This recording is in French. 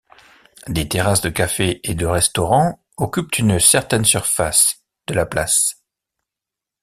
Des terrasses de cafés et de restaurants occupent une certaine surface de la place.